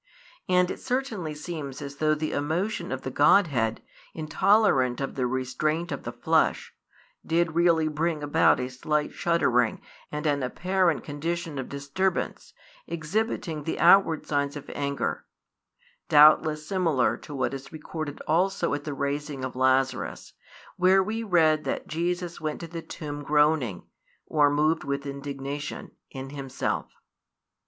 And it certainly seems as though the emotion of the Godhead, intolerant of the restraint of the flesh, did really bring about a slight shuddering and an apparent condition of disturbance, exhibiting the outward signs of anger; doubtless similar to what is recorded also at [the raising of] Lazarus, [where we read] that Jesus went to the tomb groaning [or, moved with indignation] in Himself.